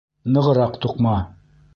Нығыраҡ туҡма!